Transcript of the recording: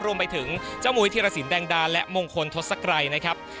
รวมไปถึงเจ้ามุยธิรสินแดงดาและมงคลทศกรัยนะครับ